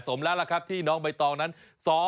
สวัสดีน้องไอซ์